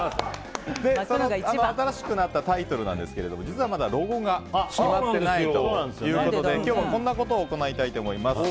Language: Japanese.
新しくなったタイトルですが実はまだロゴが決まっていないということで今日はこんなことを行います。